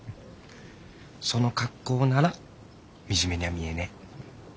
その格好なら惨めにゃ見えねえ。